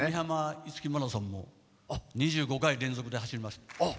五木マラソンも２５回連続で走ります。